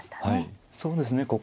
はいそうですね。